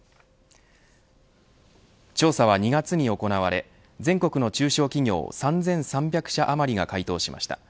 調査は２月に行われ全国の中小企業３３００社余りが回答しました。